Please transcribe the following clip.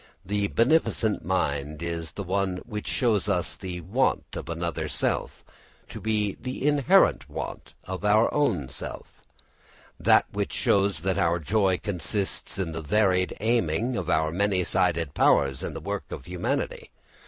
The beneficent mind is that which shows us the want (swārtha) of another self to be the inherent want (nihitārtha) of our own self; that which shows that our joy consists in the varied aiming of our many sided powers in the work of humanity.